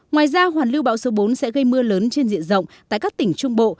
ngoài ra hoàn lưu bão số bốn sẽ gây mưa lớn trên diện rộng tại các tỉnh trung bộ